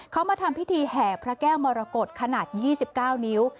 เขามาทำพิธีแห่พระแก้วมรกฏขนาด๒๙นิ้ว